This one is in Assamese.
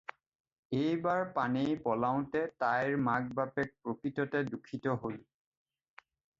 এইবাৰ পানেই পলাওঁতে তাইৰ মাক-বাপেক প্ৰকৃততে দুখিত হ'ল।